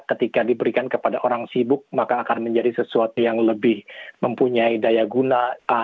ketika diberikan kepada orang sibuk maka akan menjadi sesuatu yang lebih mempunyai daya guna